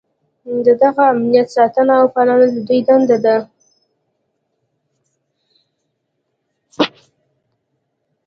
د دغه امانت ساتنه او پالنه د دوی دنده ده.